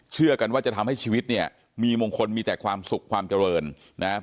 เชื่อกันว่าจะทำให้ชีวิตเนี่ยมีมงคลมีแต่ความสุขความเจริญนะครับ